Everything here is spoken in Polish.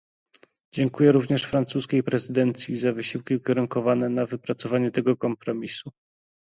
Dziękuję również francuskiej prezydencji za wysiłki ukierunkowane na wypracowanie tego kompromisu